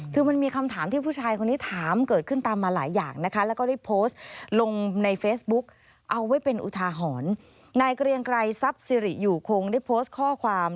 คือมันมีคำถามที่ผู้ชายคนนี้ถามเกิดขึ้นตามมาหลายอย่างนะคะ